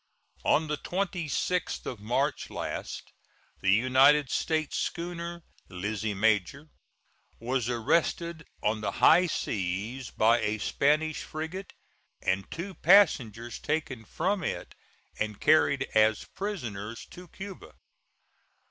On the 26th of March last the United States schooner Lizzie Major was arrested on the high seas by a Spanish frigate, and two passengers taken from it and carried as prisoners to Cuba.